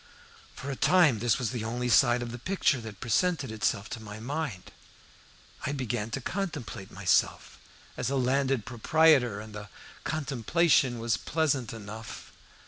For a time this was the only side of the picture that presented itself to my mind. I began to contemplate myself as a landed proprietor, and the contemplation was pleasant enough.